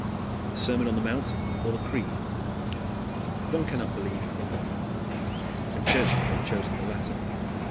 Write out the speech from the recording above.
The Sermon on the Mount, or the Creed. One cannot believe in both. And Churchmen have chosen the latter.